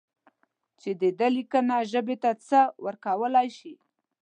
چې د ده لیکنه ژبې ته څه ورکولای شي.